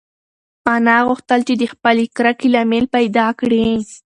انا غوښتل چې د خپلې کرکې لامل پیدا کړي.